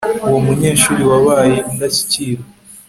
Uwo munyeshuri wabaye indashyikirwa